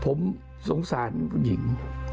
ผมสงสารผู้หญิง